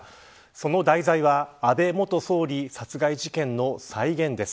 その題材は安倍元総理殺害事件の再現です。